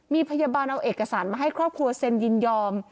มีพยาบาลเอาเอกสารมาให้ครอบครัวเซ็นยินยอม